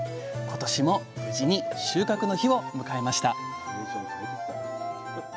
今年も無事に収穫の日を迎えました